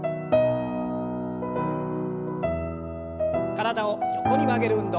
体を横に曲げる運動。